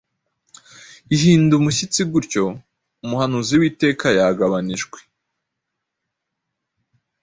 Ihinda umushyitsi Gutyo Umuhanuzi w'iteka yagabanijwe.